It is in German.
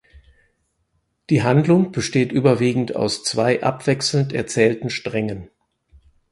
Die Handlung besteht überwiegend aus zwei abwechselnd erzählten Strängen.